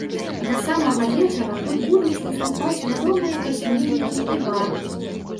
Да самага вечара тут будуць выступаць вядомыя пісьменнікі і барды.